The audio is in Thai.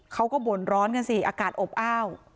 เขาก็บ่นร้อนกันสิอากาศอบอ้าว